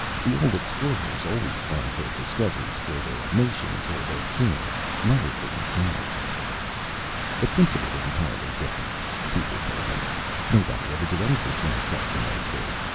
The old explorers always claimed their discoveries for their nations or their king, never for themselves." "The principle was entirely different," Cooper told him. "Nobody ever did anything for himself in those days.